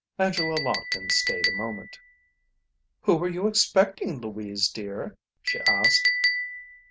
Angela Lockton stayed a moment. "Who were you expecting, Louise, dear?" she asked.